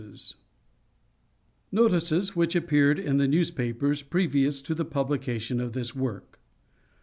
Notices. WHICH APPEARED IN THE NEWSPAPERS PREVIOUS TO THE PUBLICATION OF THIS WORK.